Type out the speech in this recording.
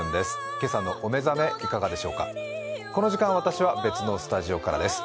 今朝のお目覚め、いかがでしょうかこの時間、私は別のスタジオからです。